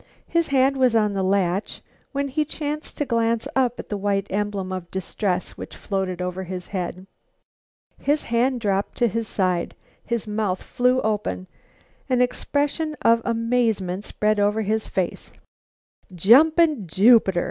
His hand was on the latch, when he chanced to glance up at the white emblem of distress which floated over his head. His hand dropped to his side; his mouth flew open. An expression of amazement spread over his face. "Jumpin' Jupiter!"